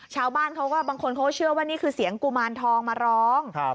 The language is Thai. ชาวบ้านเขาก็บางคนเขาก็เชื่อว่านี่คือเสียงกุมารทองมาร้อง